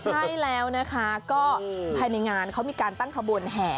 ใช่แล้วนะคะก็ภายในงานเขามีการตั้งขบวนแห่